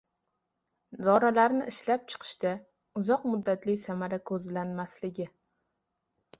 dorilarni ishlab chiqishda uzoq muddatli samara ko‘zlanmasligi